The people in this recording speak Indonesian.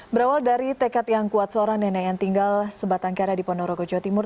berawal dari tekad yang kuat seorang nenek yang tinggal sebatang kara di ponorogo jawa timur